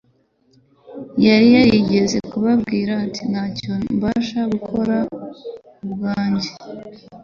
Yari yarigeze kubabwira ati: "Ntacyo mbasha gukora ubwanjye.